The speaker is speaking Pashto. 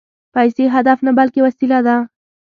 پیسې هدف نه، بلکې وسیله ده